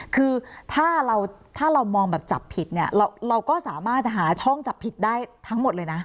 คือถ้าเราถ้าเรามองแบบจับผิดเนี่ยเราก็สามารถหาช่องจับผิดได้ทั้งหมดเลยนะ